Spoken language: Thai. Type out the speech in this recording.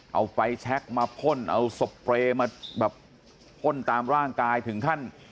เอาไฟแชคมาพ่นเอาสเปรย์มาแบบพ่นตามร่างกายถึงขั้น